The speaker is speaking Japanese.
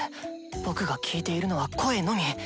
僕が聞いているのは声のみ！